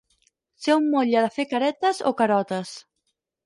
Ser un motlle de fer caretes o carotes.